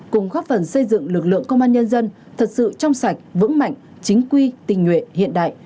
cùng góp phần xây dựng lực lượng công an nhân dân thật sự trong sạch vững mạnh chính quy tình nguyện hiện đại